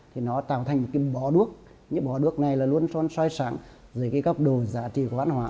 thì nó tạo thành một cái bỏ đuốc những bỏ đuốc này là luôn xoay sẵn dưới cái góc đồ giá trị của văn hóa